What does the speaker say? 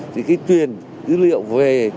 thì cái truyền dữ liệu về